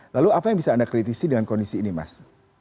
lalu apa yang bisa anda kritisi dengan kondisi ini mas